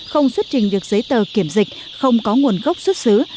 không xuất trình được giấy tờ kiểm dịch không có nguồn gốc xuất xứ